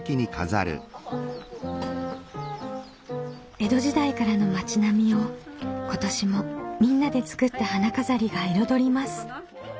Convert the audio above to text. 江戸時代からの町並みを今年もみんなで作った花飾りが彩ります。